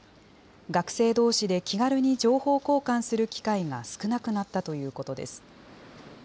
学生どうしで気軽に情報交換する機会が少なくなったということです。